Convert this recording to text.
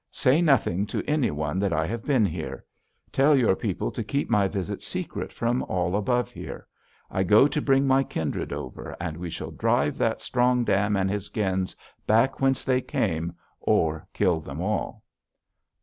Say nothing to any one that I have been here. Tell your people to keep my visit secret from all above here. I go to bring my kindred over, and we will drive that Strong Dam and his gens back whence they came, or kill them all.'